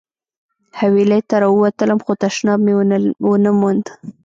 حویلۍ ته راووتلم خو تشناب مې ونه موند.